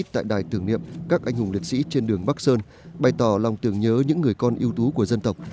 tại đài tưởng niệm các anh hùng liệt sĩ trên đường bắc sơn bày tỏ lòng tưởng nhớ những người con yêu tú của dân tộc